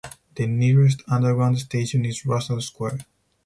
The nearest Underground station is Russell Square.